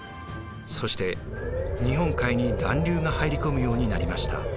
そして日本海に暖流が入り込むようになりました。